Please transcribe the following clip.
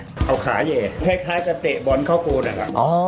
เอาขาแห่คล้ายจะเตะบอลเข้าปูนนะครับ